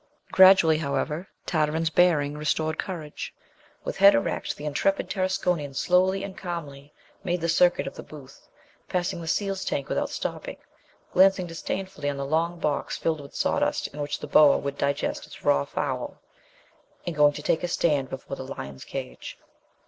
Gradually, however, Tartarin's bearing restored courage. With head erect, the intrepid Tarasconian slowly and calmly made the circuit of the booth, passing the seal's tank without stopping, glancing disdainfully on the long box filled with sawdust in which the boa would digest its raw fowl, and going to take his stand before the lion's cage.